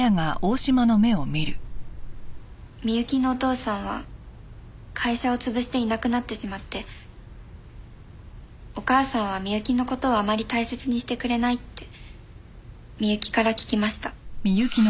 美雪のお父さんは会社を潰していなくなってしまってお母さんは美雪の事をあまり大切にしてくれないって美雪から聞きました。